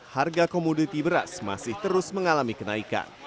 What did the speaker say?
harga komoditi beras masih terus mengalami kenaikan